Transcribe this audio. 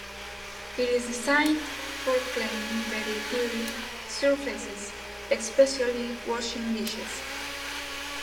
It is designed for cleaning very dirty surfaces, especially washing dishes.